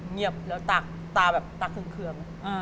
เหงียบแล้วตาแบบตาขึ้นเขื่อง